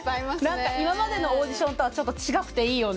なんか今までのオーディションとはちょっと違くていいよね。